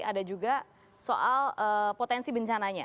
ada juga soal potensi bencananya